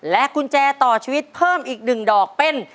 กุญแจต่อชีวิตเพิ่มอีก๑ดอกเป็น